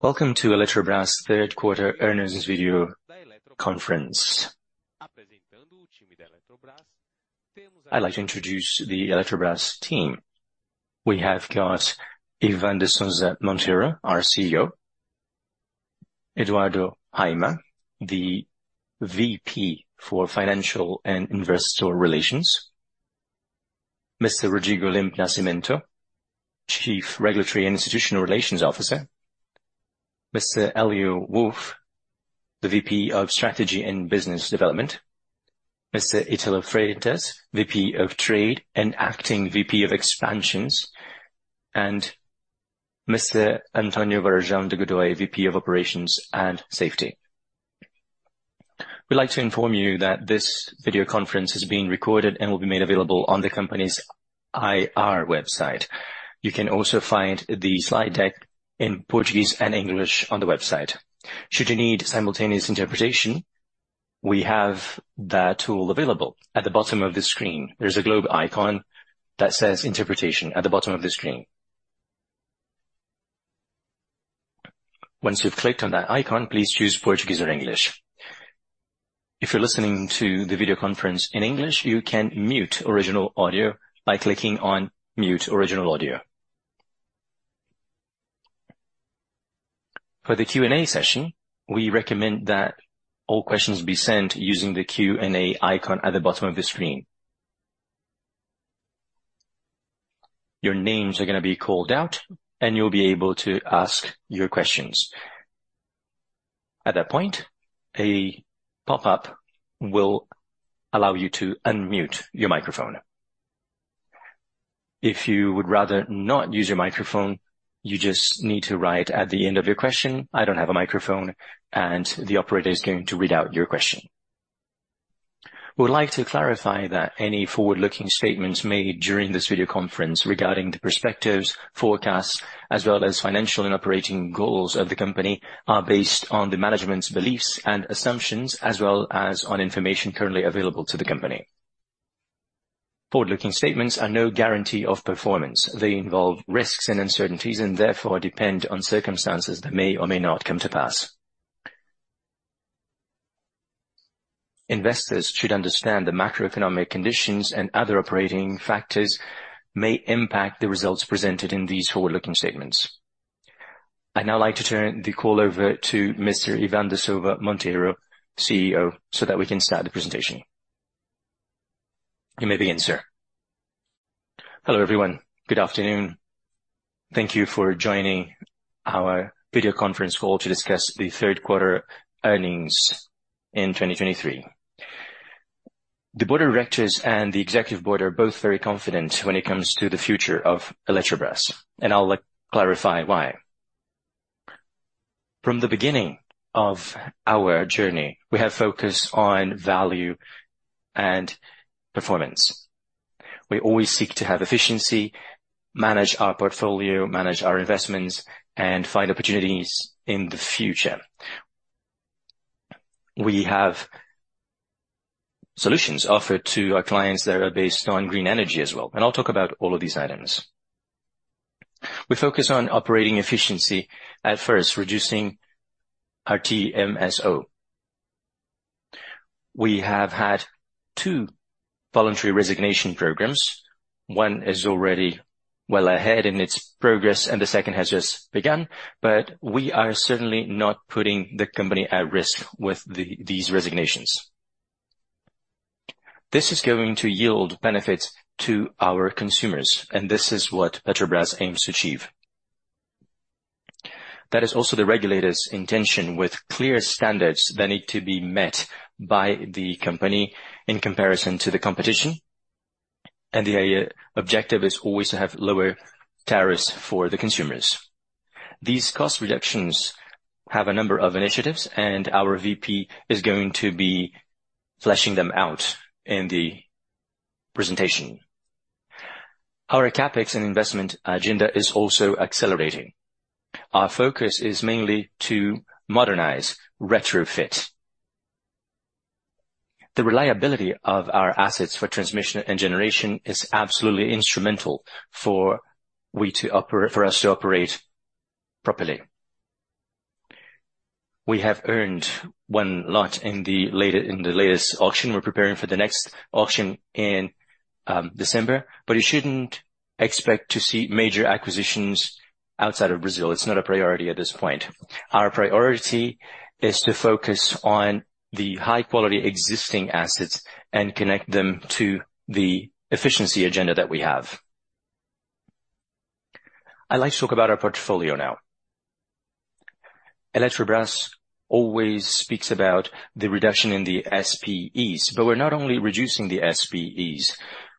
Welcome to Eletrobras third quarter earnings video conference. I'd like to introduce the Eletrobras team. We have got Ivan de Souza Monteiro, our CEO, Eduardo Haiama, the VP for Financial and Investor Relations, Mr. Rodrigo Limp Nascimento, Chief Regulatory and Institutional Relations Officer, Mr. Élio Wolff, the VP of Strategy and Business Development, Mr. Ítalo Freitas, VP of Trade and Acting VP of Expansions, and Mr. Antônio Varejão de Godoy, VP of Operations and Safety. We'd like to inform you that this video conference is being recorded and will be made available on the company's IR website. You can also find the slide deck in Portuguese and English on the website. Should you need simultaneous interpretation, we have that tool available. At the bottom of the screen, there's a globe icon that says "Interpretation" at the bottom of the screen. Once you've clicked on that icon, please choose Portuguese or English. If you're listening to the video conference in English, you can mute original audio by clicking on Mute Original Audio. For the Q&A session, we recommend that all questions be sent using the Q&A icon at the bottom of the screen. Your names are gonna be called out, and you'll be able to ask your questions. At that point, a pop-up will allow you to unmute your microphone. If you would rather not use your microphone, you just need to write at the end of your question, "I don't have a microphone," and the operator is going to read out your question. We would like to clarify that any forward-looking statements made during this video conference regarding the perspectives, forecasts, as well as financial and operating goals of the company, are based on the management's beliefs and assumptions, as well as on information currently available to the company. Forward-looking statements are no guarantee of performance. They involve risks and uncertainties and therefore depend on circumstances that may or may not come to pass. Investors should understand the macroeconomic conditions and other operating factors may impact the results presented in these forward-looking statements. I'd now like to turn the call over to Mr. Ivan de Souza Monteiro, CEO, so that we can start the presentation. You may begin, sir. Hello, everyone. Good afternoon. Thank you for joining our video conference call to discuss the third quarter earnings in 2023. The board of directors and the executive board are both very confident when it comes to the future of Eletrobras, and I'll clarify why. From the beginning of our journey, we have focused on value and performance. We always seek to have efficiency, manage our portfolio, manage our investments, and find opportunities in the future. We have solutions offered to our clients that are based on green energy as well, and I'll talk about all of these items. We focus on operating efficiency, at first, reducing our PMSO. We have had two voluntary resignation programs. One is already well ahead in its progress, and the second has just begun, but we are certainly not putting the company at risk with the, these resignations. This is going to yield benefits to our consumers, and this is what Eletrobras aims to achieve. That is also the regulator's intention, with clear standards that need to be met by the company in comparison to the competition, and the objective is always to have lower tariffs for the consumers. These cost reductions have a number of initiatives, and our VP is going to be fleshing them out in the presentation. Our CapEx and investment agenda is also accelerating. Our focus is mainly to modernize, retrofit. The reliability of our assets for transmission and generation is absolutely instrumental for us to operate properly. We have earned one lot in the latest auction. We're preparing for the next auction in December, but you shouldn't expect to see major acquisitions outside of Brazil. It's not a priority at this point. Our priority is to focus on the high-quality existing assets and connect them to the efficiency agenda that we have. I'd like to talk about our portfolio now. Eletrobras always speaks about the reduction in the SPEs, but we're not only reducing the SPEs,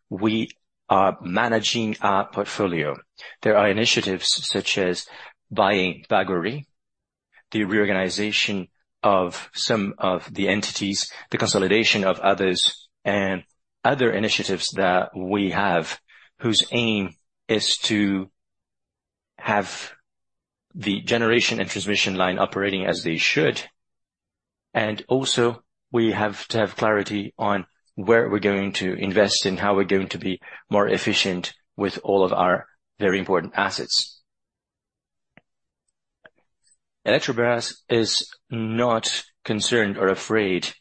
we are managing our portfolio. There are initiatives such as buying Baguari, the reorganization of some of the entities, the consolidation of others, and other initiatives that we have, whose aim is to have the generation and transmission line operating as they should. And also, we have to have clarity on where we're going to invest and how we're going to be more efficient with all of our very important assets. Eletrobras is not concerned or afraid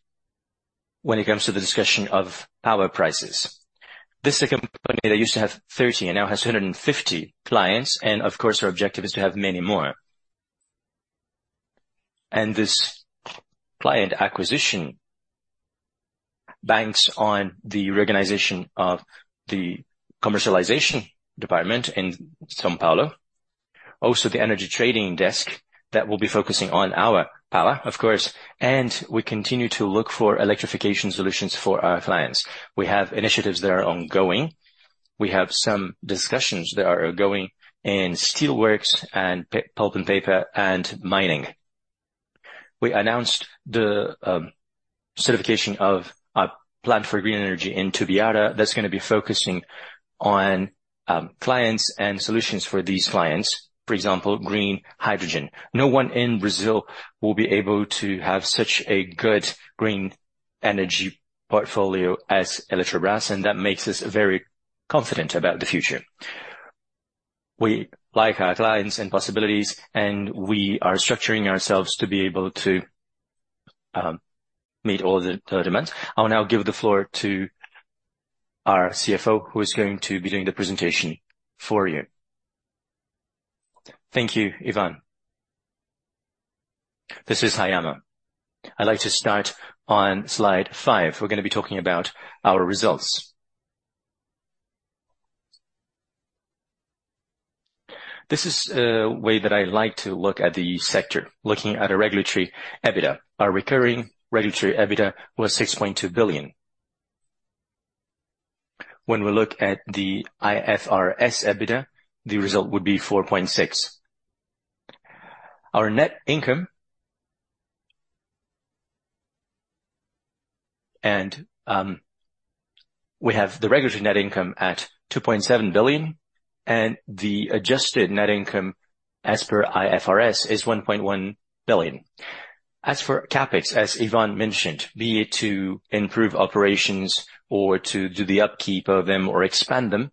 when it comes to the discussion of power prices. This is a company that used to have 30 and now has 150 clients, and of course, our objective is to have many more. And this client acquisition banks on the reorganization of the commercialization department in São Paulo. Also, the energy trading desk, that will be focusing on our power, of course, and we continue to look for electrification solutions for our clients. We have initiatives that are ongoing. We have some discussions that are ongoing in steelworks and pulp and paper and mining. We announced the certification of a plan for green energy in Itumbiara that's gonna be focusing on clients and solutions for these clients. For example, green hydrogen. No one in Brazil will be able to have such a good green energy portfolio as Eletrobras, and that makes us very confident about the future. We like our clients and possibilities, and we are structuring ourselves to be able to meet all the demands. I'll now give the floor to our CFO, who is going to be doing the presentation for you. Thank you, Ivan. This is Haiama. I'd like to start on slide 5. We're going to be talking about our results. This is a way that I like to look at the sector, looking at a regulatory EBITDA. Our recurring regulatory EBITDA was 6.2 billion. When we look at the IFRS EBITDA, the result would be 4.6 billion. Our net income, we have the regulatory net income at 2.7 billion, and the adjusted net income, as per IFRS, is 1.1 billion. As for CapEx, as Ivan mentioned, be it to improve operations or to do the upkeep of them or expand them,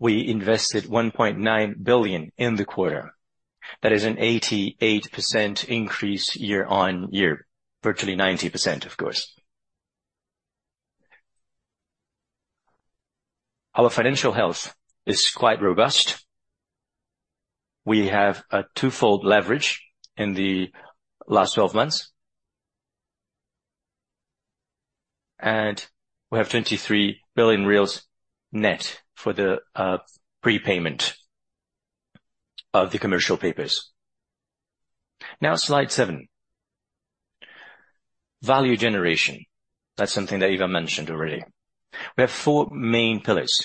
we invested 1.9 billion in the quarter. That is an 88% increase year-on-year. Virtually 90%, of course. Our financial health is quite robust. We have a twofold leverage in the last 12 months. And we have 23 billion net for the prepayment of the commercial papers. Now, slide 7. Value generation. That's something that Ivan mentioned already. We have four main pillars.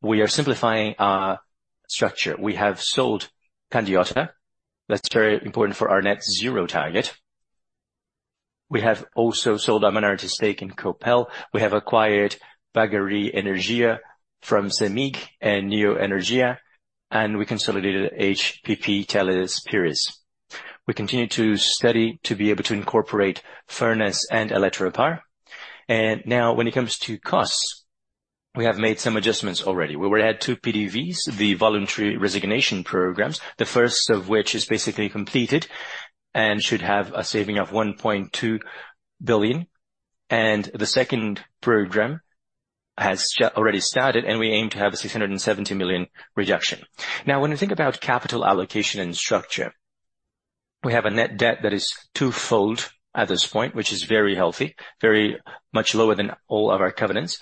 We are simplifying our structure. We have sold Candiota. That's very important for our net zero target. We have also sold our minority stake in Copel. We have acquired Baguari Energia from Cemig and Neoenergia, and we consolidated HPP Teles Pires. We continue to study, to be able to incorporate Furnas and CHESF. Now when it comes to costs, we have made some adjustments already. We were at two PDVs, the voluntary resignation programs, the first of which is basically completed and should have a saving of 1.2 billion, and the second program has already started, and we aim to have a 670 million reduction. Now, when we think about capital allocation and structure, we have a net debt that is twofold at this point, which is very healthy, very much lower than all of our covenants.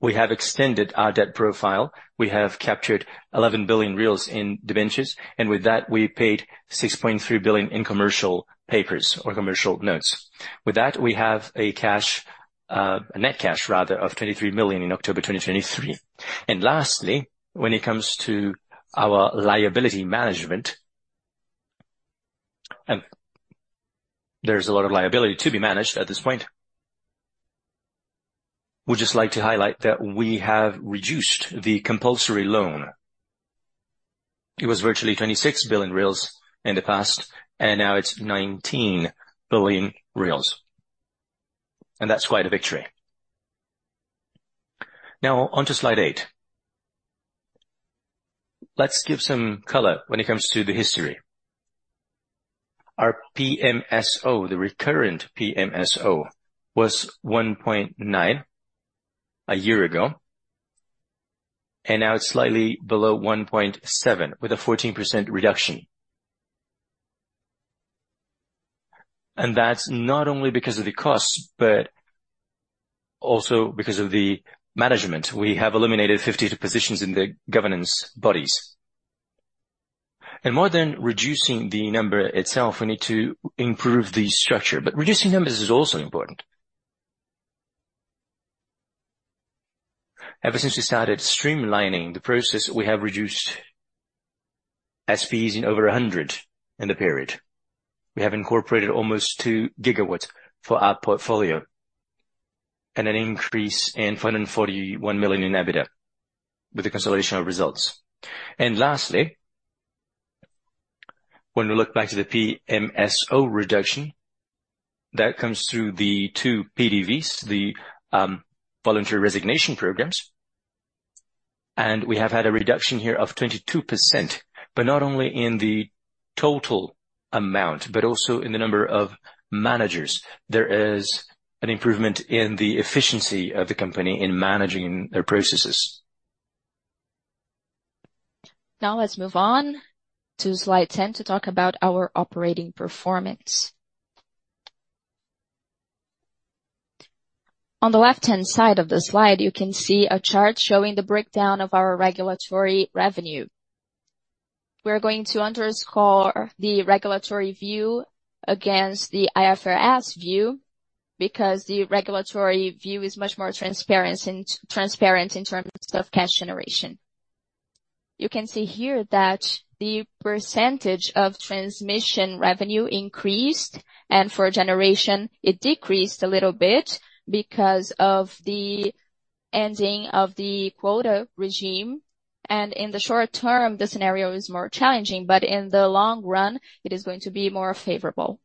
We have extended our debt profile. We have captured 11 billion in debentures, and with that, we paid 6.3 billion in commercial papers or commercial notes. With that, we have a cash, a net cash rather, of 23 billion in October 2023. And lastly, when it comes to our liability management, and there's a lot of liability to be managed at this point, we'd just like to highlight that we have reduced the compulsory loan. It was virtually 26 billion in the past, and now it's 19 billion, and that's quite a victory. Now on to slide eight. Let's give some color when it comes to the history. Our PMSO, the recurrent PMSO, was 1.9 a year ago, and now it's slightly below 1.7, with a 14% reduction. And that's not only because of the cost, but also because of the management. We have eliminated 52 positions in the governance bodies. And more than reducing the number itself, we need to improve the structure, but reducing numbers is also important. Ever since we started streamlining the process, we have reduced SPs in over 100 in the period. We have incorporated almost 2 GW for our portfolio... and an increase of 441 million in EBITDA, with the consolidation of results. And lastly, when we look back to the PMSO reduction, that comes through the two PDVs, the voluntary resignation programs. We have had a reduction here of 22%, but not only in the total amount, but also in the number of managers. There is an improvement in the efficiency of the company in managing their processes. Now, let's move on to slide 10 to talk about our operating performance. On the left-hand side of the slide, you can see a chart showing the breakdown of our regulatory revenue. We're going to underscore the regulatory view against the IFRS view, because the regulatory view is much more transparent in terms of cash generation. You can see here that the percentage of transmission revenue increased, and for generation, it decreased a little bit because of the ending of the quota regime, and in the short term, the scenario is more challenging, but in the long run it is going to be more favorable.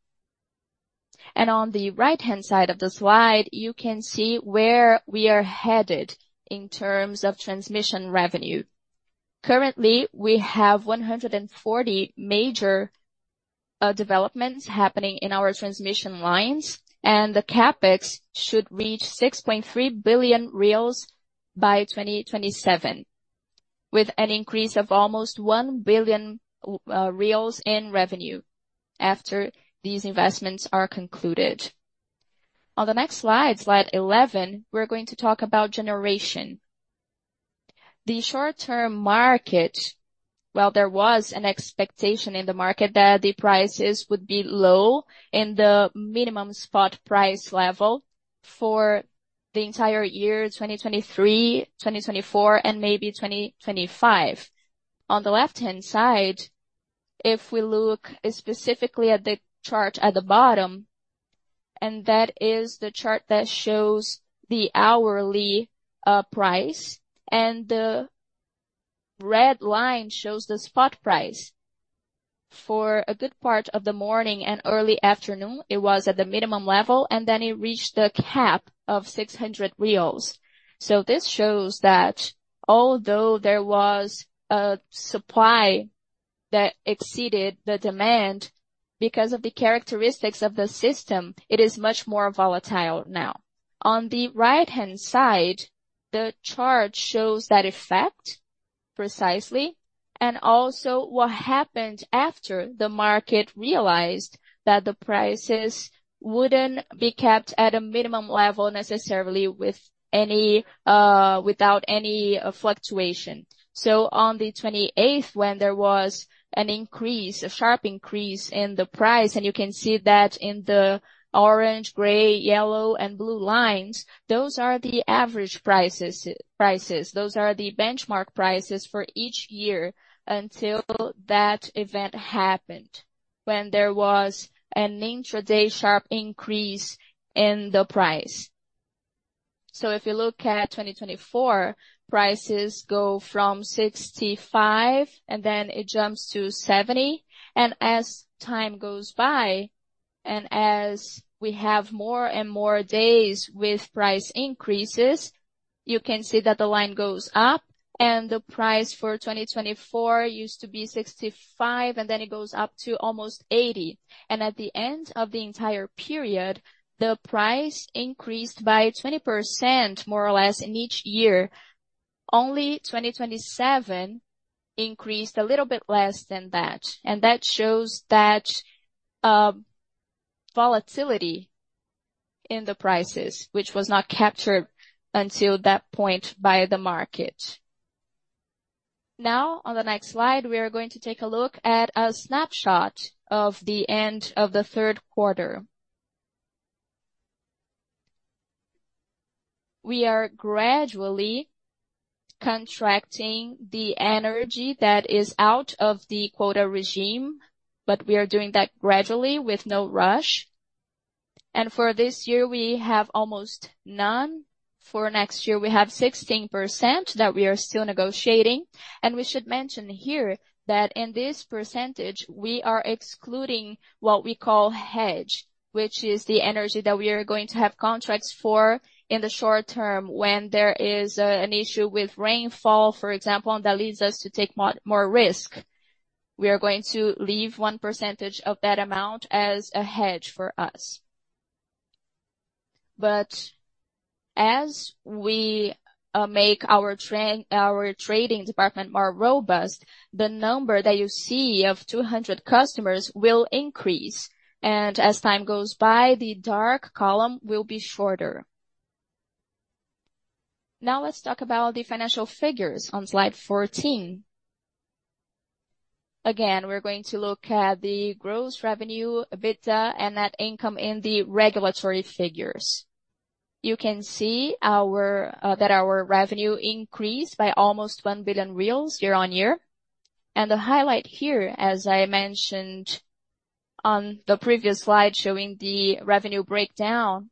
On the right-hand side of the slide, you can see where we are headed in terms of transmission revenue. Currently, we have 140 major developments happening in our transmission lines, and the CapEx should reach 6.3 billion reais by 2027, with an increase of almost 1 billion reais in revenue after these investments are concluded. On the next slide, slide 11, we're going to talk about generation. The short-term market, well, there was an expectation in the market that the prices would be low in the minimum spot price level for the entire year, 2023, 2024, and maybe 2025. On the left-hand side, if we look specifically at the chart at the bottom, and that is the chart that shows the hourly price, and the red line shows the spot price. For a good part of the morning and early afternoon, it was at the minimum level, and then it reached a cap of 600 reais. So, this shows that although there was a supply that exceeded the demand, because of the characteristics of the system, it is much more volatile now. On the right-hand side, the chart shows that effect precisely, and also what happened after the market realized that the prices wouldn't be kept at a minimum level necessarily, with any, without any, fluctuation. So, on the 28th, when there was an increase, a sharp increase in the price, and you can see that in the orange, gray, yellow and blue lines, those are the average prices, prices. Those are the benchmark prices for each year until that event happened, when there was an intraday sharp increase in the price. If you look at 2024, prices go from 65 and then it jumps to 70. As time goes by, and as we have more and more days with price increases, you can see that the line goes up and the price for 2024 used to be 65, and then it goes up to almost 80. At the end of the entire period, the price increased by 20%, more or less, in each year. Only 2027 increased a little bit less than that. That shows that volatility in the prices, which was not captured until that point by the market. Now, on the next slide, we are going to take a look at a snapshot of the end of the third quarter. We are gradually contracting the energy that is out of the quota regime, but we are doing that gradually, with no rush. For this year, we have almost none. For next year, we have 16% that we are still negotiating. We should mention here that in this percentage, we are excluding what we call hedge, which is the energy that we are going to have contracts for in the short term when there is an issue with rainfall, for example, and that leads us to take more, more risk. We are going to leave 1% of that amount as a hedge for us. But as we make our trading department more robust, the number that you see of 200 customers will increase, and as time goes by, the dark column will be shorter. Now, let's talk about the financial figures on slide 14. Again, we're going to look at the gross revenue, EBITDA, and net income in the regulatory figures. You can see that our revenue increased by almost 1 billion reais year-on-year. And the highlight here, as I mentioned. On the previous slide showing the revenue breakdown,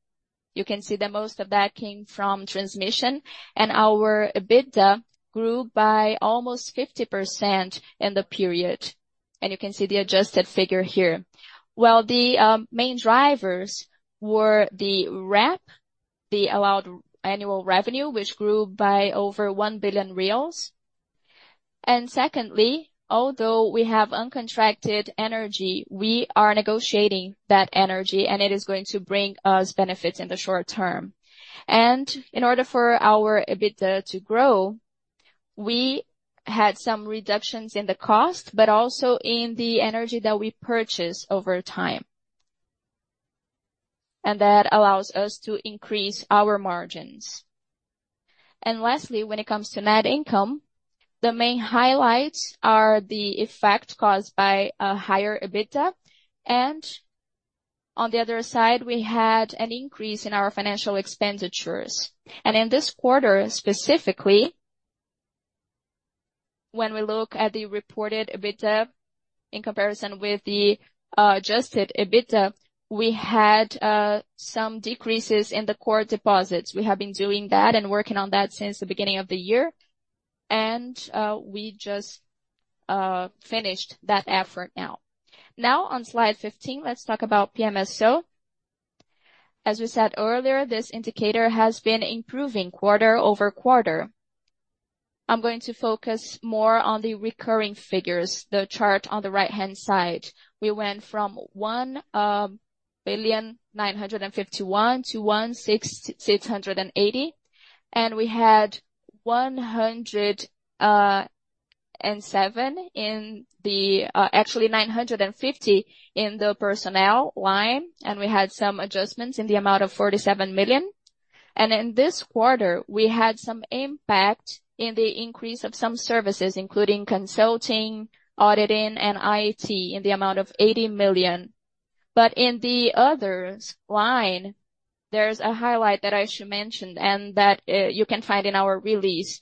you can see that most of that came from transmission, and our EBITDA grew by almost 50% in the period. And you can see the adjusted figure here. Well, the main drivers were the RAP, the allowed annual revenue, which grew by over 1 billion reais. And secondly, although we have uncontracted energy, we are negotiating that energy, and it is going to bring us benefits in the short term. In order for our EBITDA to grow, we had some reductions in the cost, but also in the energy that we purchase over time. That allows us to increase our margins. Lastly, when it comes to net income, the main highlights are the effect caused by a higher EBITDA, and on the other side, we had an increase in our financial expenditures. In this quarter, specifically, when we look at the reported EBITDA in comparison with the adjusted EBITDA, we had some decreases in the core deposits. We have been doing that and working on that since the beginning of the year, and we just finished that effort now. Now, on slide 15, let's talk about PMSO. As we said earlier, this indicator has been improving quarter-over-quarter. I'm going to focus more on the recurring figures, the chart on the right-hand side. We went from 1,951 million to 1,680 million, and we had 107 in the—actually 950 million in the personnel line, and we had some adjustments in the amount of 47 million. In this quarter, we had some impact in the increase of some services, including consulting, auditing, and IT, in the amount of 80 million. In the others line, there's a highlight that I should mention and that, you know, you can find in our release.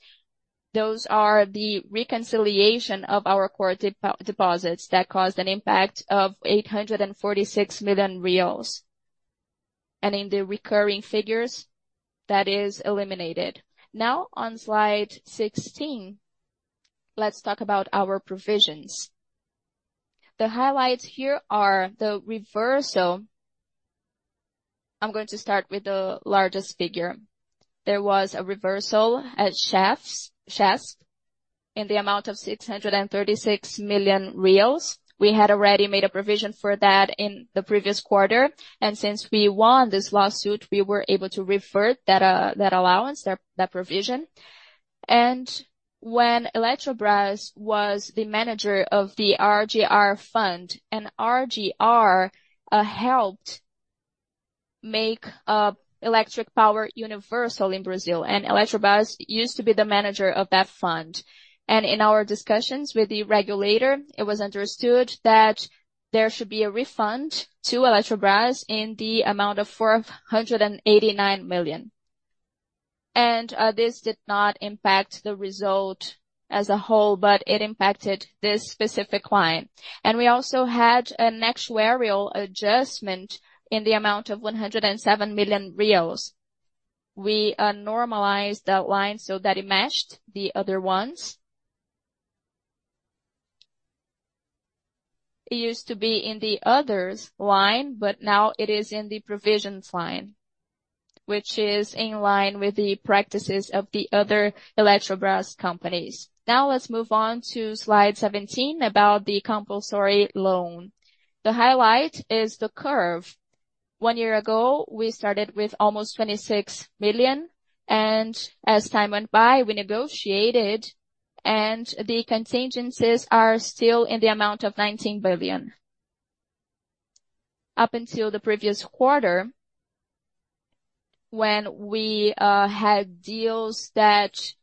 Those are the reconciliation of our core deposits that caused an impact of BRL 846 million. In the recurring figures, that is eliminated. Now, on Slide sixteen, let's talk about our provisions. The highlights here are the reversal. I'm going to start with the largest figure. There was a reversal at Chesf in the amount of BRL 636 million. We had already made a provision for that in the previous quarter, and since we won this lawsuit, we were able to revert that, that allowance, that provision. And when Eletrobras was the manager of the RGR Fund, and RGR helped make electric power universal in Brazil, and Eletrobras used to be the manager of that fund. And in our discussions with the regulator, it was understood that there should be a refund to Eletrobras in the amount of 489 million. And this did not impact the result as a whole, but it impacted this specific line. And we also had an actuarial adjustment in the amount of BRL 107 million. We normalized that line so that it matched the other ones. It used to be in the others line, but now it is in the provisions line, which is in line with the practices of the other Eletrobras companies. Now, let's move on to Slide 17 about the compulsory loan. The highlight is the curve. One year ago, we started with almost 26 million, and as time went by, we negotiated, and the contingencies are still in the amount of 19 billion. Up until the previous quarter, when we had deals that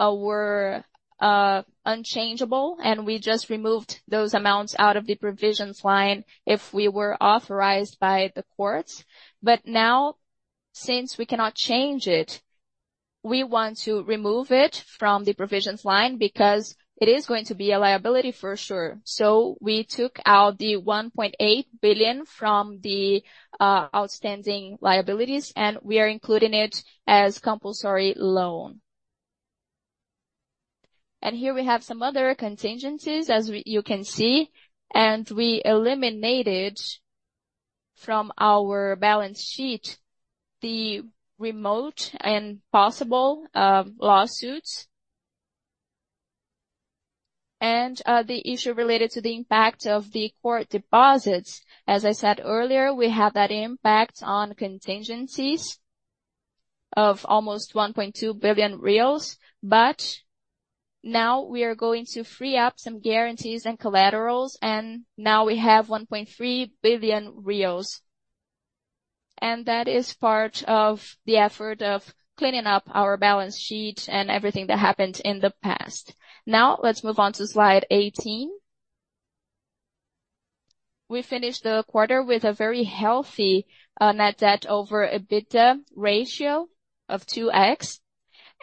were unchangeable, and we just removed those amounts out of the provisions line if we were authorized by the courts. But now, since we cannot change it, we want to remove it from the provisions line because it is going to be a liability for sure. So, we took out the 1.8 billion from the outstanding liabilities, and we are including it as compulsory loan. Here we have some other contingencies, as you can see, and we eliminated from our balance sheet the remote and possible lawsuits, and the issue related to the impact of the court deposits. As I said earlier, we have that impact on contingencies of almost 1.2 billion reais, but now we are going to free up some guarantees and collaterals, and now we have 1.3 billion reais. That is part of the effort of cleaning up our balance sheet and everything that happened in the past. Now, let's move on to slide 18. We finished the quarter with a very healthy net debt over EBITDA ratio of 2x.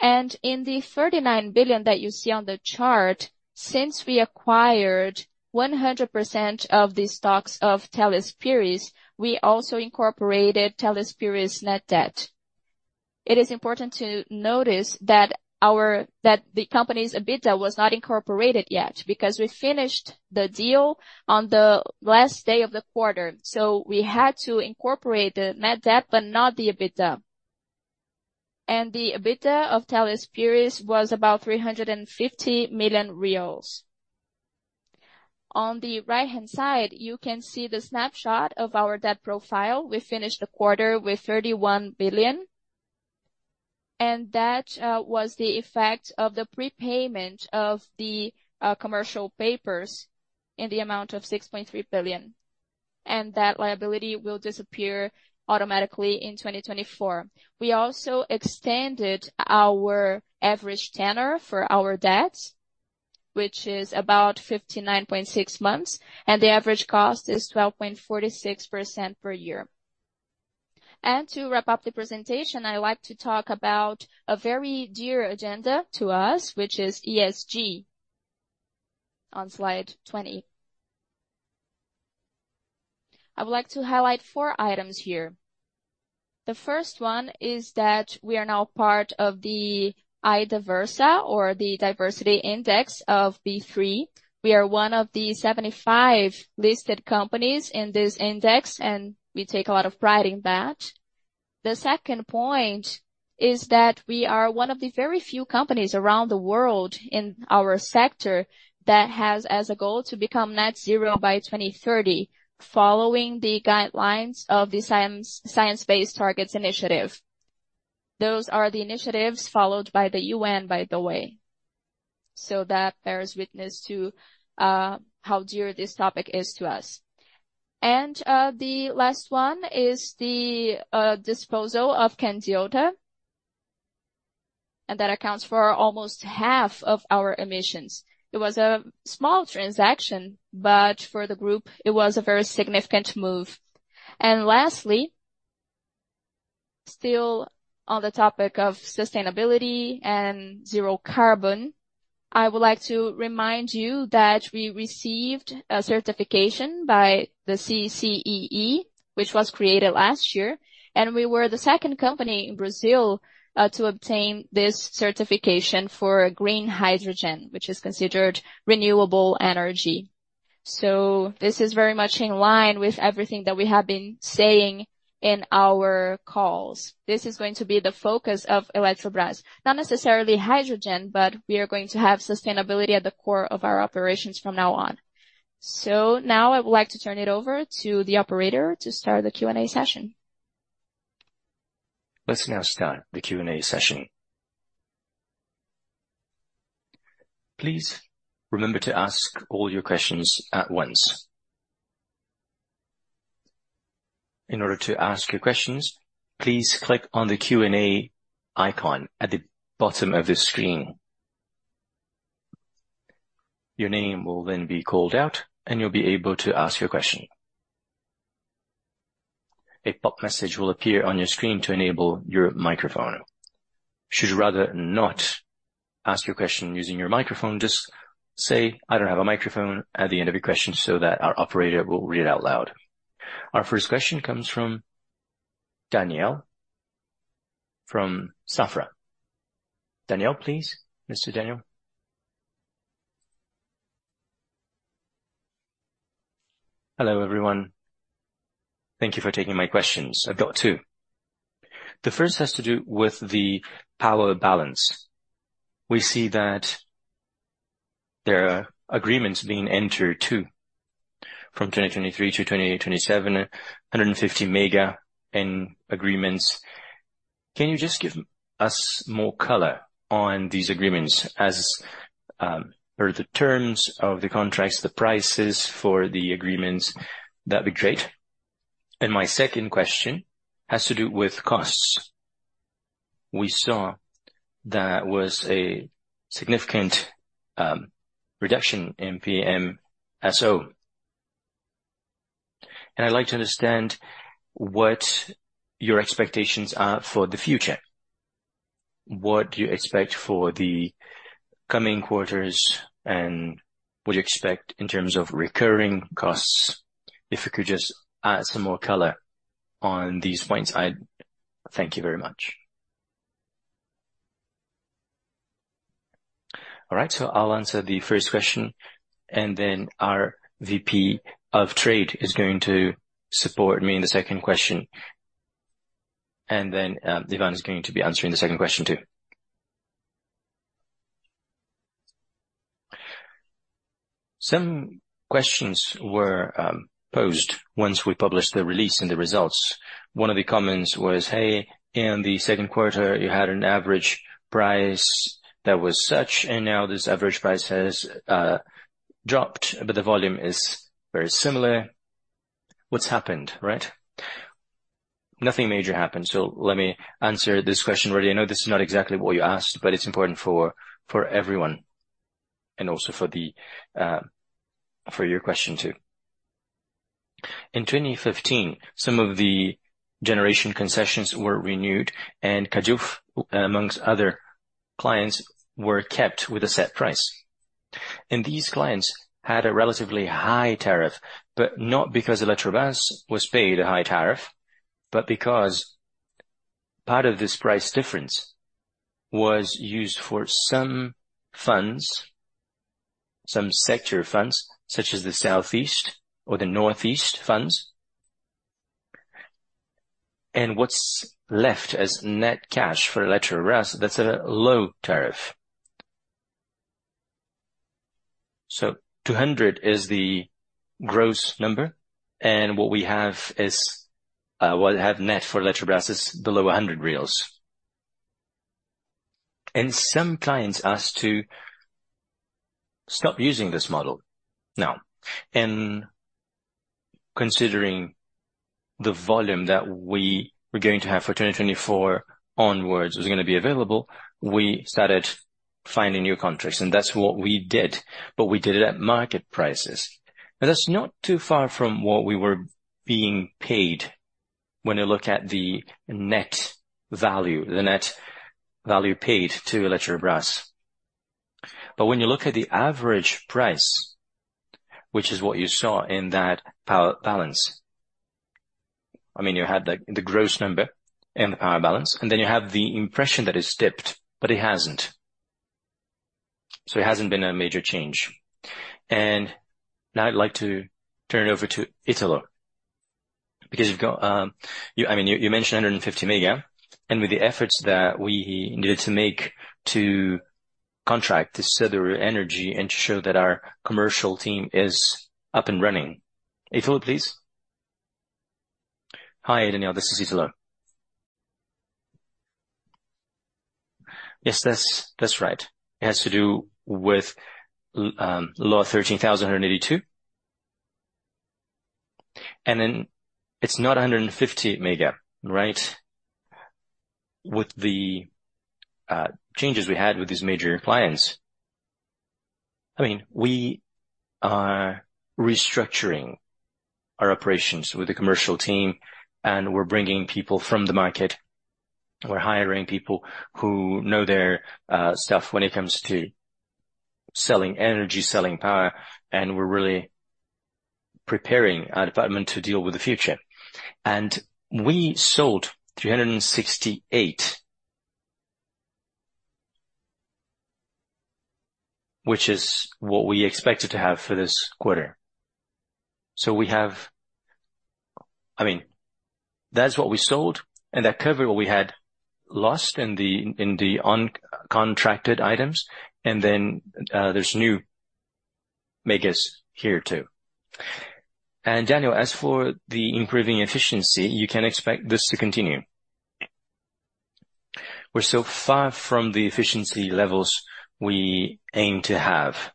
In the 39 billion that you see on the chart, since we acquired 100% of the stocks of Teles Pires, we also incorporated Teles Pires' net debt. It is important to notice that our, that the company's EBITDA was not incorporated yet, because we finished the deal on the last day of the quarter, so we had to incorporate the net debt, but not the EBITDA. The EBITDA of Teles Pires was about 350 million reais. On the right-hand side, you can see the snapshot of our debt profile. We finished the quarter with 31 billion, and that was the effect of the prepayment of the commercial papers in the amount of 6.3 billion, and that liability will disappear automatically in 2024. We also extended our average tenor for our debt, which is about 59.6 months, and the average cost is 12.46% per year. To wrap up the presentation, I'd like to talk about a very dear agenda to us, which is ESG, on slide 20. I would like to highlight four items here. The first one is that we are now part of the IDiversa, or the Diversity Index of B3. We are one of the 75 listed companies in this index, and we take a lot of pride in that. The second point is that we are one of the very few companies around the world in our sector that has, as a goal, to become net zero by 2030, following the guidelines of the science, Science-Based Targets Initiative. Those are the initiatives followed by the U.N., by the way. So, that bears witness to how dear this topic is to us. And the last one is the disposal of Candiota, and that accounts for almost half of our emissions. It was a small transaction, but for the group, it was a very significant move. And lastly, still on the topic of sustainability and zero carbon, I would like to remind you that we received a certification by the CCEE, which was created last year, and we were the second company in Brazil to obtain this certification for green hydrogen, which is considered renewable energy. So, this is very much in line with everything that we have been saying in our calls. This is going to be the focus of Eletrobras, not necessarily hydrogen, but we are going to have sustainability at the core of our operations from now on. Now I would like to turn it over to the operator to start the Q&A session. Let's now start the Q&A session. Please remember to ask all your questions at once. In order to ask your questions, please click on the Q&A icon at the bottom of the screen. Your name will then be called out, and you'll be able to ask your question. A pop message will appear on your screen to enable your microphone. Should you rather not ask your question using your microphone, just say, "I don't have a microphone," at the end of your question so that our operator will read it out loud. Our first question comes from Daniel, from Safra. Daniel, please. Mr. Daniel? Hello, everyone. Thank you for taking my questions. I've got two. The first has to do with the power balance. We see that there are agreements being entered, too, from 2023 to 2027, 150 mega in agreements. Can you just give us more color on these agreements as, or the terms of the contracts, the prices for the agreements? That'd be great. And my second question has to do with costs. We saw that was a significant reduction in PMSO, and I'd like to understand what your expectations are for the future. What do you expect for the coming quarters, and what do you expect in terms of recurring costs? If you could just add some more color on these points, I'd thank you very much. Alright so, I'll answer the first question, and then our VP of Trade is going to support me in the second question, and then, Yvonne is going to be answering the second question, too. Some questions were posed once we published the release and the results. One of the comments was, "Hey, in the second quarter, you had an average price that was such, and now this average price has dropped, but the volume is very similar. What's happened?" Right? Nothing major happened. So, let me answer this question where I know this is not exactly what you asked, but it's important for everyone and also for your question, too.... In 2015, some of the generation concessions were renewed, and Cajuf, among other clients, were kept with a set price. And these clients had a relatively high tariff, but not because Eletrobras was paid a high tariff, but because part of this price difference was used for some funds, some sector funds, such as the Southeast or the Northeast funds. And what's left as net cash for Eletrobras, that's a low tariff. So, 200 is the gross number, and what we have is, what we have net for Eletrobras is below 100 reais. And some clients asked to stop using this model. Now, in considering the volume that we were going to have for 2024 onwards was going to be available, we started finding new contracts, and that's what we did, but we did it at market prices. And that's not too far from what we were being paid when you look at the net value, the net value paid to Eletrobras. But when you look at the average price, which is what you saw in that power balance, I mean, you had the, the gross number and the power balance, and then you have the impression that it's dipped, but it hasn't. So, it hasn't been a major change. Now I'd like to turn it over to Ítalo, because you've got, you I mean, you mentioned 150 mega, and with the efforts that we needed to make to contract this other energy and to show that our commercial team is up and running. Ítalo, please. Hi, Daniel. This is Ítalo. Yes, that's right. It has to do with Law 13,182. And then it's not 150 mega, right? With the changes we had with these major clients, I mean, we are restructuring our operations with the commercial team, and we're bringing people from the market. We're hiring people who know their stuff when it comes to selling energy, selling power, and we're really preparing our department to deal with the future. And we sold 368... Which is what we expected to have for this quarter. So, we have, I mean, that's what we sold, and that covered what we had lost in the uncontracted items, and then there's new megas here, too. And Daniel, as for the improving efficiency, you can expect this to continue. We're so far from the efficiency levels we aim to have.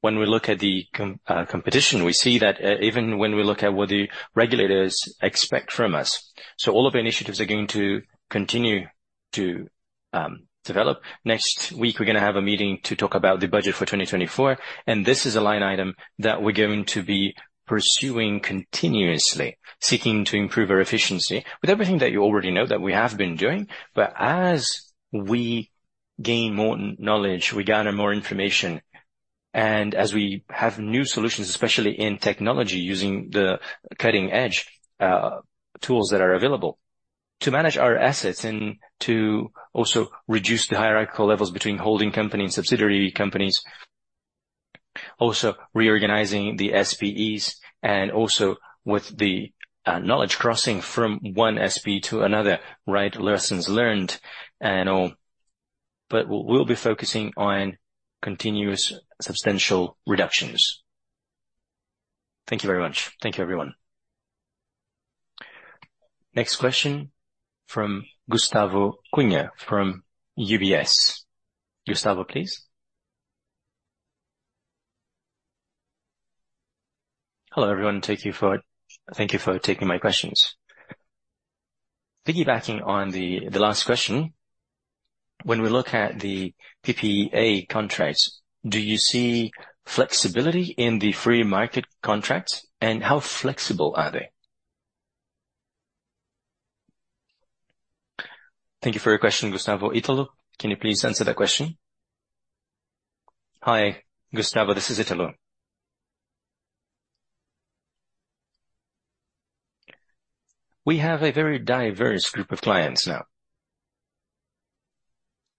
When we look at the competition, we see that even when we look at what the regulators expect from us. So, all of the initiatives are going to continue to develop. Next week, we're going to have a meeting to talk about the budget for 2024, and this is a line item that we're going to be pursuing continuously, seeking to improve our efficiency with everything that you already know that we have been doing. As we gain more knowledge, we gather more information, and as we have new solutions, especially in technology, using the cutting-edge tools that are available to manage our assets and to also reduce the hierarchical levels between holding company and subsidiary companies. Also reorganizing the SPEs and also with the knowledge crossing from one SPE to another, right? Lessons learned and all. But we'll be focusing on continuous, substantial reductions. Thank you very much. Thank you, everyone. Next question from Gustavo Cunha from UBS. Gustavo, please. Hello, everyone. Thank you for, thank you for taking my questions. Piggybacking on the last question, when we look at the PPA contracts, do you see flexibility in the free market contracts, and how flexible are they? Thank you for your question, Gustavo. Ítalo, can you please answer that question? Hi, Gustavo, this is Ítalo. We have a very diverse group of clients now,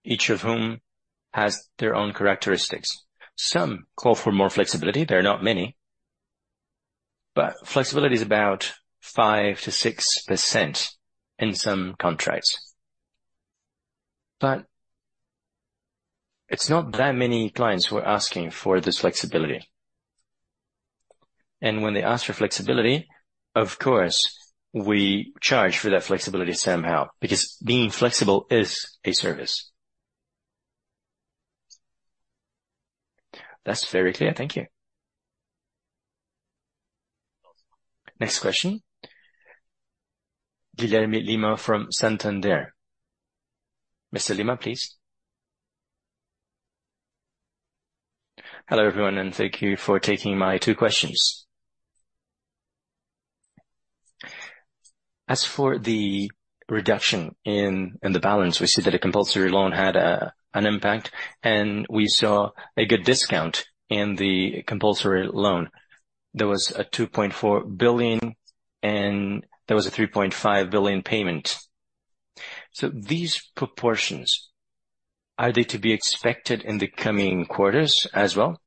each of whom has their own characteristics. Some call for more flexibility. They're not many, but flexibility is about 5%-6% in some contracts. But it's not that many clients who are asking for this flexibility. And when they ask for flexibility, of course, we charge for that flexibility somehow, because being flexible is a service. That's very clear. Thank you. Next question, Guilherme Lima from Santander. Mr. Lima, please. Hello, everyone, and thank you for taking my two questions. As for the reduction in the balance, we see that a compulsory loan had an impact, and we saw a good discount in the compulsory loan. There was a 2.4 billion, and there was a 3.5 billion payment. So, these proportions, are they to be expected in the coming quarters as well?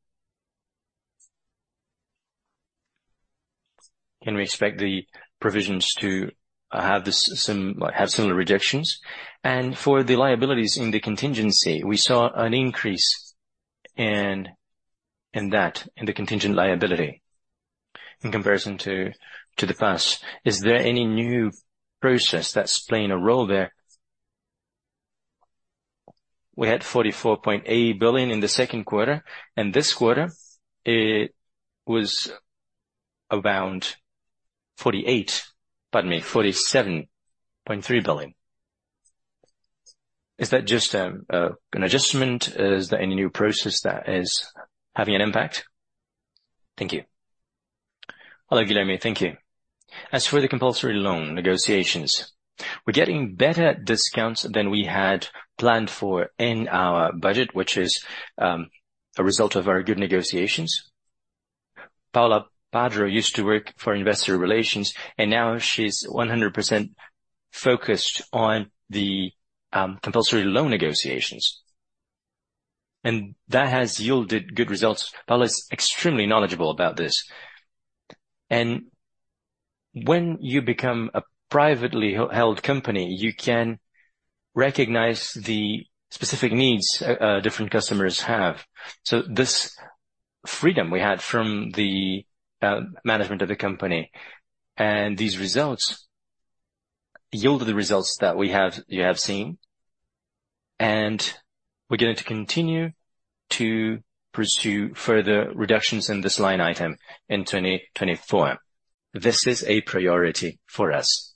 Can we expect the provisions to have similar reductions? And for the liabilities in the contingency, we saw an increase in, in that, in the contingent liability in comparison to, to the past. Is there any new process that's playing a role there? We had 44.8 billion in the second quarter, and this quarter it was around 48, pardon me, 47.3 billion. Is that just an adjustment? Is there any new process that is having an impact? Thank you. Hello, Guilherme. Thank you. As for the compulsory loan negotiations, we're getting better discounts than we had planned for in our budget, which is a result of our good negotiations. Paula Padro used to work for investor relations, and now she's 100% focused on the compulsory loan negotiations, and that has yielded good results. Paula is extremely knowledgeable about this. When you become a privately held company, you can recognize the specific needs different customers have. So, this freedom we had from the management of the company and these results yielded the results that we have, you have seen, and we're going to continue to pursue further reductions in this line item in 2024. This is a priority for us.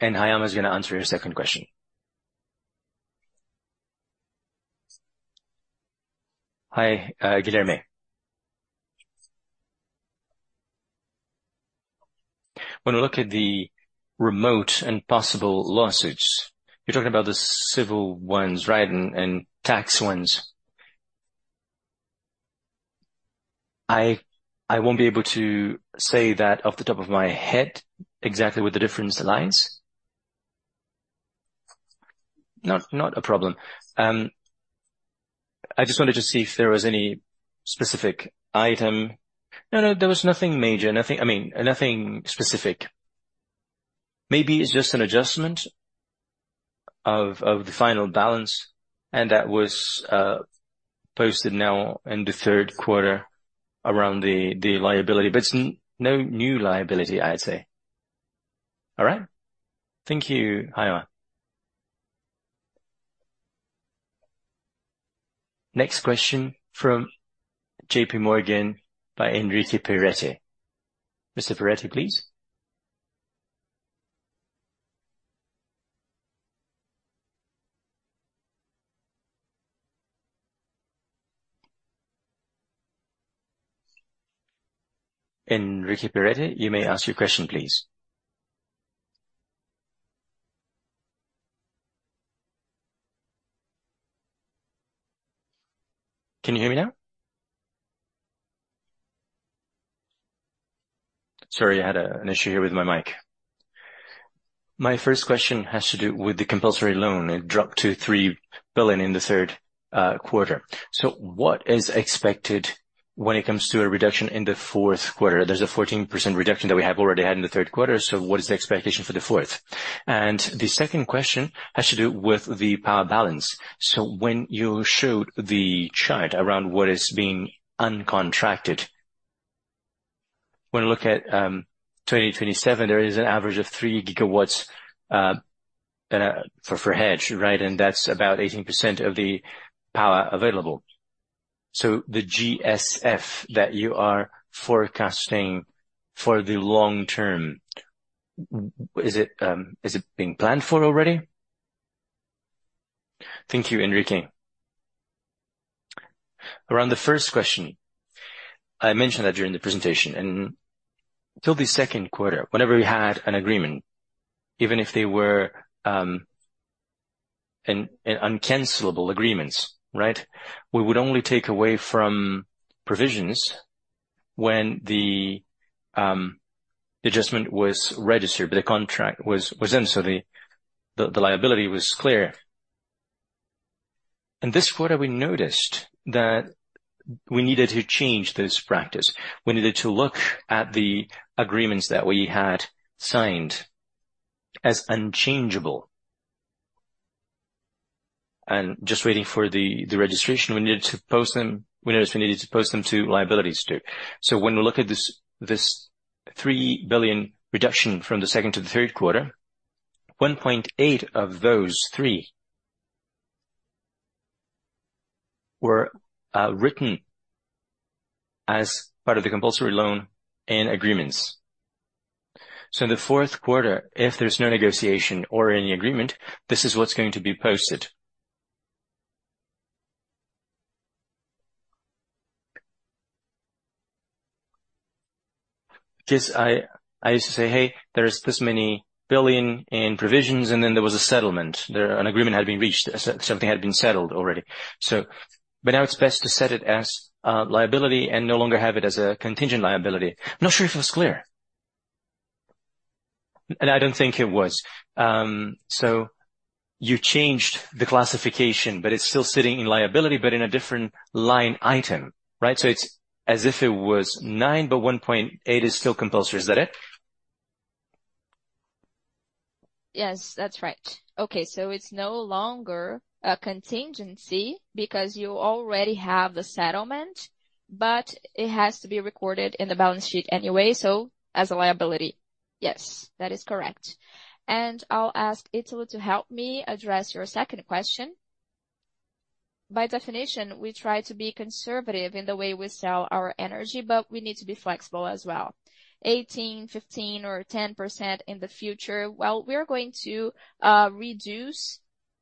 And Haiama is going to answer your second question. Hi, Guilherme. When we look at the remotely possible lawsuits, you're talking about the civil ones, right, and tax ones? I won't be able to say that off the top of my head, exactly what the difference lies. Not a problem. I just wanted to see if there was any specific item. No, no, there was nothing major. Nothing, I mean, nothing specific. Maybe it's just an adjustment of the final balance, and that was posted now in the third quarter around the liability, but it's no new liability, I'd say. All right. Thank you, Haiama. Next question from JP Morgan by Henrique Perretta. Mr. Perrette, please. Henrique Perretta, you may ask your question, please. Can you hear me now? Sorry, I had an issue here with my mic. My first question has to do with the compulsory loan. It dropped to 3 billion in the third quarter. So, what is expected when it comes to a reduction in the fourth quarter? There's a 14% reduction that we have already had in the third quarter, so what is the expectation for the fourth? And the second question has to do with the power balance. So, when you showed the chart around what is being uncontracted, when we look at 2027, there is an average of 3 GW for hedge, right? And that's about 18% of the power available. So, the GSF that you are forecasting for the long term, is it being planned for already? Thank you, Enrique. Around the first question, I mentioned that during the presentation and till the second quarter, whenever we had an agreement, even if they were an uncancelable agreements, right? We would only take away from provisions when the adjustment was registered, the contract was in, so, the liability was clear. In this quarter, we noticed that we needed to change this practice. We needed to look at the agreements that we had signed as unchangeable. And just waiting for the registration, we needed to post them. We noticed we needed to post them to liabilities, too. So, when we look at this, this 3 billion reduction from the second to the third quarter, 1.8 of those 3 were written as part of the compulsory loan and agreements. So, in the fourth quarter, if there's no negotiation or any agreement, this is what's going to be posted. Just, I used to say, "Hey, there is BRL this many billion in provisions," and then there was a settlement. There, an agreement had been reached, as something had been settled already. So, but now it's best to set it as liability and no longer have it as a contingent liability. I'm not sure if it was clear. And I don't think it was. So, you changed the classification, but it's still sitting in liability, but in a different line item, right? So, it's as if it was 9, but 1.8 is still compulsory. Is that it? Yes, that's right. Okay, so, it's no longer a contingency because you already have the settlement, but it has to be recorded in the balance sheet anyway, so, as a liability. Yes, that is correct. And I'll ask Ítalo to help me address your second question. By definition, we try to be conservative in the way we sell our energy, but we need to be flexible as well. 18, 15, or 10% in the future, well, we are going to reduce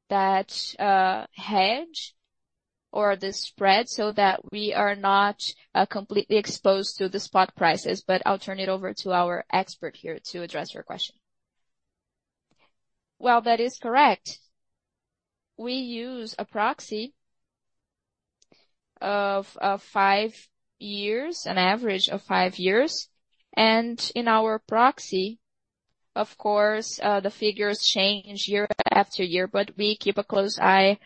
that hedge or the spread so, that we are not completely exposed to the spot prices. But I'll turn it over to our expert here to address your question. Well, that is correct. We use a proxy of 5 years, an average of 5 years, and in our proxy, of course, the figures change year after year, but we keep a close eye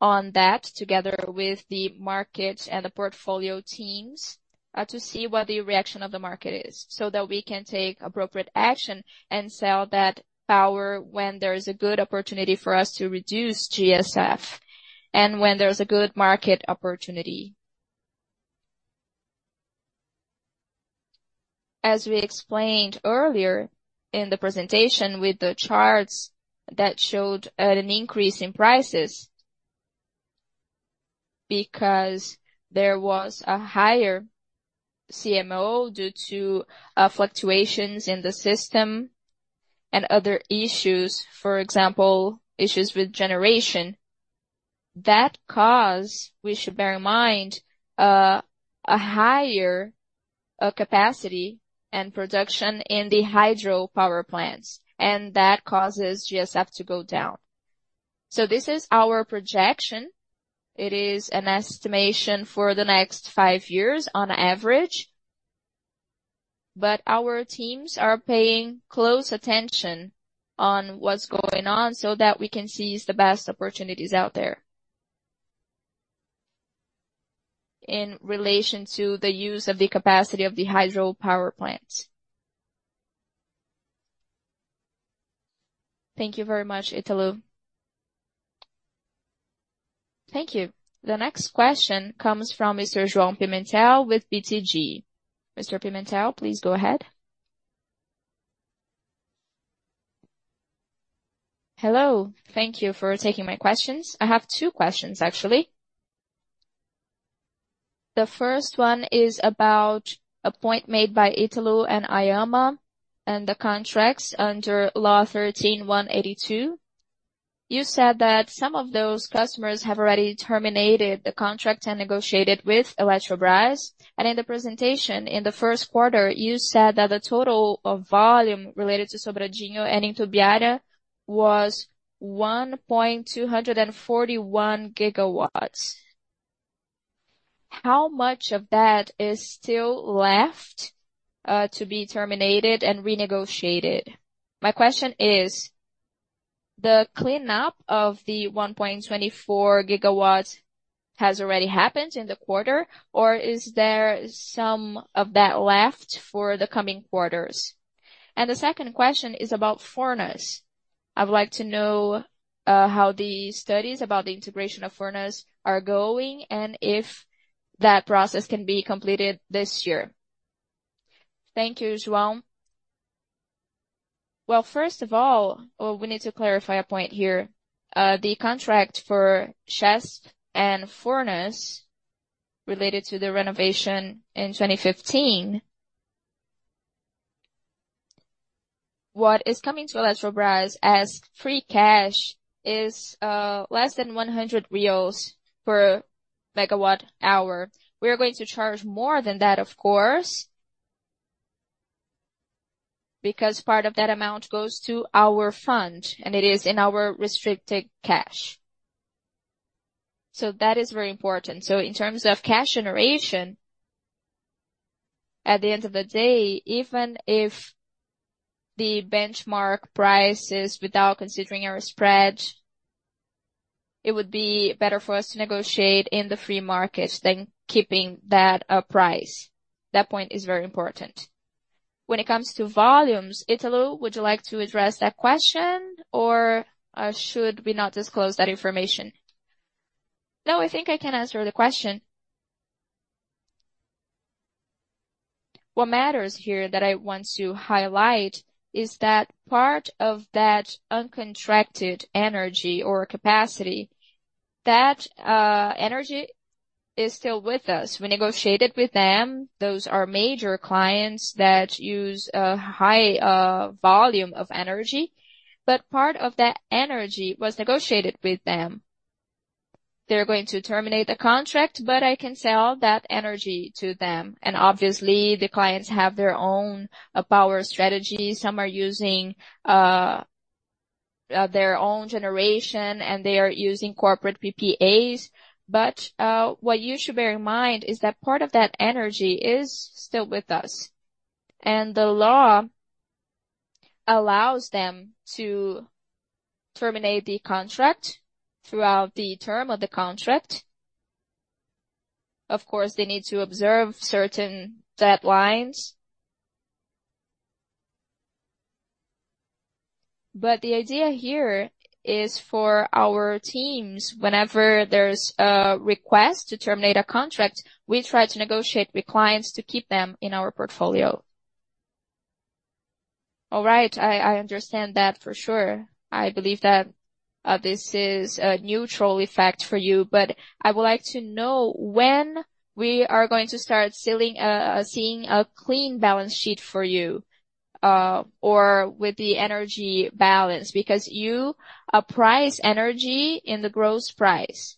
on that, together with the market and the portfolio teams, to see what the reaction of the market is so, that we can take appropriate action and sell that power when there is a good opportunity for us to reduce GSF and when there's a good market opportunity. As we explained earlier in the presentation with the charts that showed an increase in prices, because there was a higher CMO due to fluctuations in the system and other issues, for example, issues with generation. That cause, we should bear in mind, a higher capacity and production in the hydropower plants, and that causes GSF to go down. So, this is our projection. It is an estimation for the next five years on average, but our teams are paying close attention on what's going on so, that we can seize the best opportunities out there... In relation to the use of the capacity of the hydropower plants. Thank you very much, Ítalo. Thank you. The next question comes from Mr. João Pimentel with BTG. Mr. Pimentel, please go ahead. Hello. Thank you for taking my questions. I have two questions, actually. The first one is about a point made by Ítalo and Eduardo Haiama and the contracts under Law 13,182. You said that some of those customers have already terminated the contract and negotiated with Eletrobras, and in the presentation in the first quarter, you said that the total of volume related to Sobradinho and Itumbiara was 1.241 gigawatts. How much of that is still left to be terminated and renegotiated? My question is: The cleanup of the 1.24 gigawatts has already happened in the quarter, or is there some of that left for the coming quarters? And the second question is about Furnas. I would like to know how the studies about the integration of Furnas are going, and if that process can be completed this year. Thank you, João. Well, first of all, we need to clarify a point here. The contract for CHESF and Furnas, related to the renovation in 2015, what is coming to Eletrobras as free cash is less than 100 reais per megawatt hour. We are going to charge more than that, of course, because part of that amount goes to our fund, and it is in our restricted cash. So, that is very important. So, in terms of cash generation, at the end of the day, even if the benchmark prices, without considering our spread, it would be better for us to negotiate in the free market than keeping that price. That point is very important. When it comes to volumes, Ítalo, would you like to address that question, or should we not disclose that information? No, I think I can answer the question... What matters here that I want to highlight, is that part of that uncontracted energy or capacity, that energy is still with us. We negotiated with them. Those are major clients that use a high volume of energy, but part of that energy was negotiated with them. They're going to terminate the contract, but I can sell that energy to them, and obviously, the clients have their own power strategy. Some are using their own generation, and they are using corporate PPAs. But what you should bear in mind is that part of that energy is still with us, and the law allows them to terminate the contract throughout the term of the contract. Of course, they need to observe certain deadlines. But the idea here is for our teams, whenever there's a request to terminate a contract, we try to negotiate with clients to keep them in our portfolio. All right. I understand that for sure. I believe that this is a neutral effect for you, but I would like to know when we are going to start seeing a clean balance sheet for you, or with the energy balance, because you appraise energy in the gross price.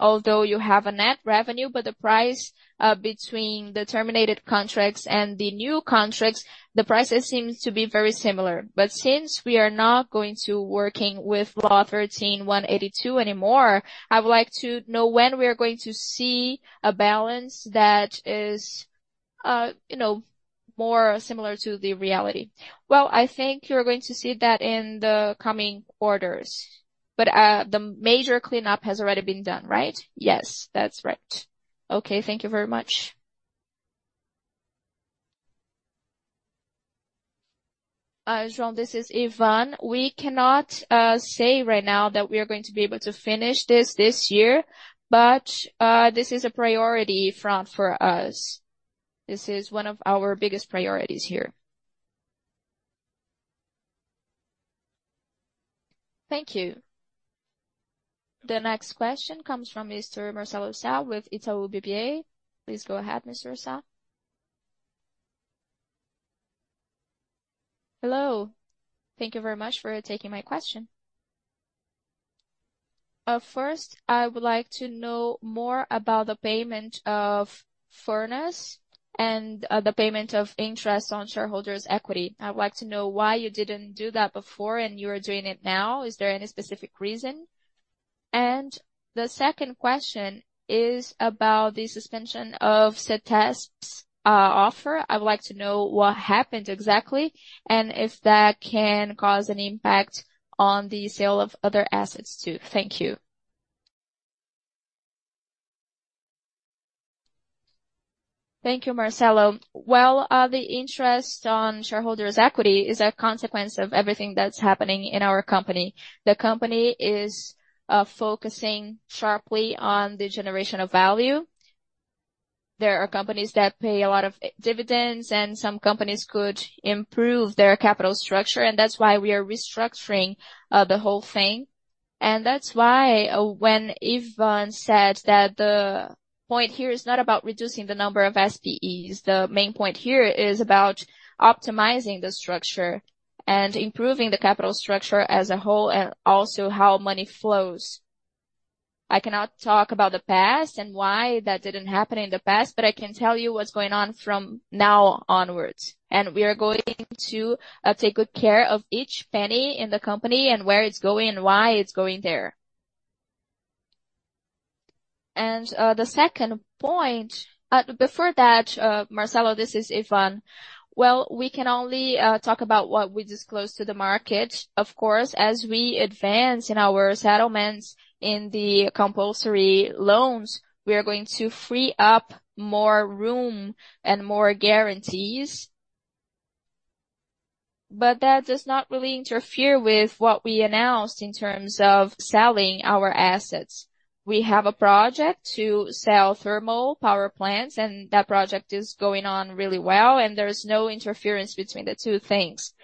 Although you have a net revenue, but the price between the terminated contracts and the new contracts, the prices seem to be very similar. But since we are not going to working with Law 13,182 anymore, I would like to know when we are going to see a balance that is, you know, more similar to the reality. Well, I think you're going to see that in the coming quarters. But the major cleanup has already been done, right? Yes, that's right. Okay. Thank you very much. João, this is Ivan. We cannot say right now that we are going to be able to finish this, this year, but this is a priority front for us. This is one of our biggest priorities here. Thank you. The next question comes from Mr. Marcelo Sá with Itaú BBA. Please go ahead, Mr. Marcelo. Hello. Thank you very much for taking my question. First, I would like to know more about the payment of Furnas and the payment of interest on shareholders' equity. I'd like to know why you didn't do that before and you are doing it now. Is there any specific reason? And the second question is about the suspension of CTEEP offer. I would like to know what happened exactly, and if that can cause an impact on the sale of other assets, too. Thank you. Thank you, Marcelo. Well, the interest on shareholders' equity is a consequence of everything that's happening in our company. The company is focusing sharply on the generation of value. There are companies that pay a lot of dividends, and some companies could improve their capital structure, and that's why we are restructuring the whole thing. And that's why when Ivan said that the point here is not about reducing the number of SPEs, the main point here is about optimizing the structure and improving the capital structure as a whole, and also how money flows. I cannot talk about the past and why that didn't happen in the past, but I can tell you what's going on from now onwards. And we are going to take good care of each penny in the company and where it's going and why it's going there. And, the second point. Before that, Marcelo, this is Ivan. Well, we can only talk about what we disclose to the market. Of course, as we advance in our settlements in the compulsory loans, we are going to free up more room and more guarantees. But that does not really interfere with what we announced in terms of selling our assets. We have a project to sell thermal power plants, and that project is going on really well, and there is no interference between the two things.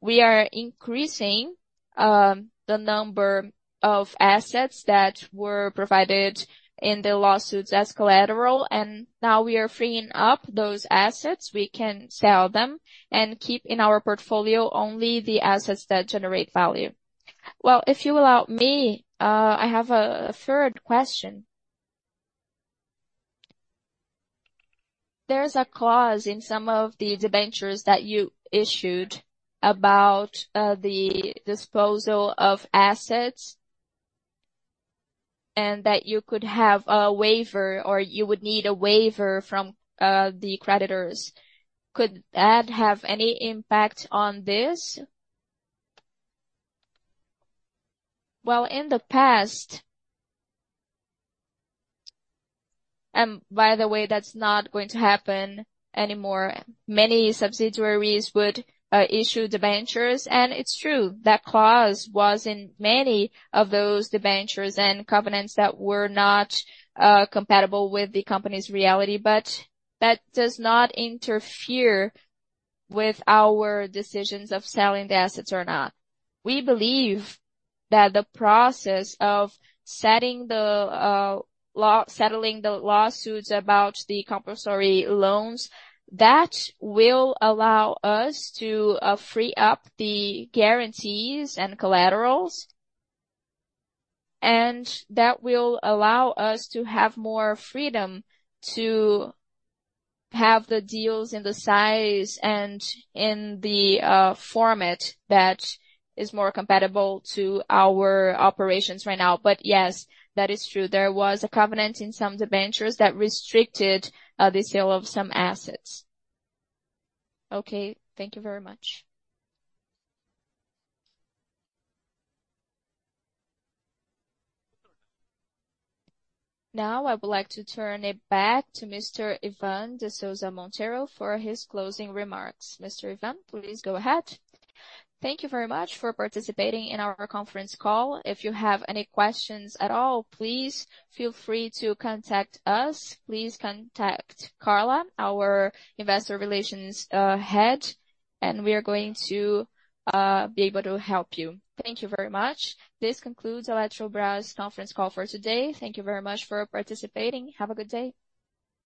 We are increasing, the number of assets that were provided in the lawsuits as collateral, and now we are freeing up those assets. We can sell them and keep in our portfolio only the assets that generate value. Well, if you allow me, I have a third question. There's a clause in some of the debentures that you issued about, the disposal of assets, and that you could have a waiver, or you would need a waiver from, the creditors. Could that have any impact on this? Well, in the past... By the way, that's not going to happen anymore. Many subsidiaries would issue debentures, and it's true, that clause was in many of those debentures and covenants that were not compatible with the company's reality, but that does not interfere with our decisions of selling the assets or not. We believe that the process of settling the lawsuits about the compulsory loans, that will allow us to free up the guarantees and collaterals, and that will allow us to have more freedom to have the deals in the size and in the format that is more compatible to our operations right now. But yes, that is true. There was a covenant in some debentures that restricted the sale of some assets. Okay, thank you very much. Now, I would like to turn it back to Mr. Ivan de Souza Monteiro for his closing remarks. Mr. Ivan, please go ahead. Thank you very much for participating in our conference call. If you have any questions at all, please feel free to contact us. Please contact Carla, our investor relations head, and we are going to be able to help you. Thank you very much. This concludes Eletrobras conference call for today. Thank you very much for participating. Have a good day.